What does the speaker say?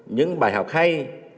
những bài học hay